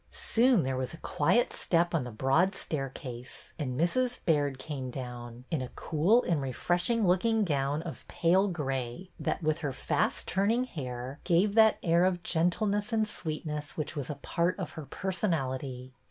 Soon there was a quiet step on the broad stair case, and Mrs. Baird came down, in a cool and refreshing looking gown of pale gray that, with her fast turning hair, gave that air of gentleness and sweetness which was a part of her person ality.